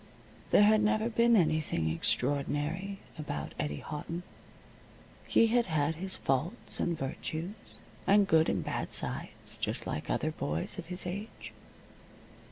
There had never been anything extraordinary about Eddie Houghton. He had had his faults and virtues, and good and bad sides just like other boys of his age.